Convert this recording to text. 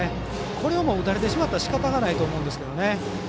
これは打たれてしまったらしかたがないと思うんですけどね。